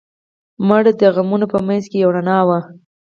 مړه د غمونو په منځ کې یو رڼا وه